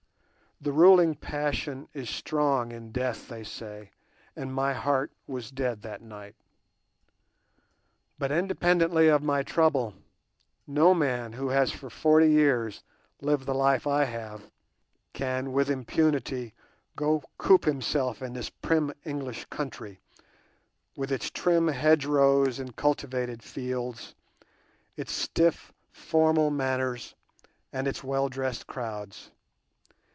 The ruling passion is strong in death, they say, and my heart was dead that night. But, independently of my trouble, no man who has for forty years lived the life I have, can with impunity go coop himself in this prim English country, with its trim hedgerows and cultivated fields, its stiff formal manners, and its well dressed crowds.